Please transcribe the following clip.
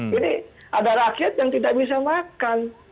jadi ada rakyat yang tidak bisa makan